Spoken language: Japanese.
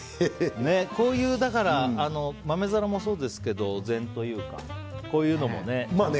こういう豆皿もそうですけどお膳というかこういうのもね。